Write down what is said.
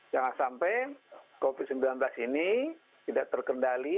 jangan sampai covid sembilan belas ini tidak terkendali